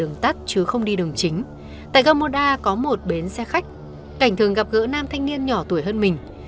gia mô đa có một bến xe khách cảnh thường gặp gỡ nam thanh niên nhỏ tuổi hơn mình